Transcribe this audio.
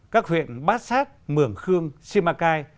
các huyện bát sát mường khương simacai